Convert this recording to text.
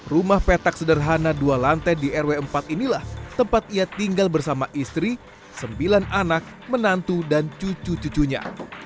rumah petak sederhana dua lantai di rw empat inilah tempat ia tinggal bersama istri sembilan anak menantu dan cucu cucunya